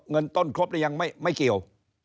จ่ายเงินต้นครบหรือยังไม่เกี่ยวไม่เกี่ยว